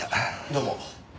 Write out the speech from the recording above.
どうも。